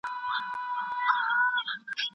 تاریخ ته ځواب ورکوو.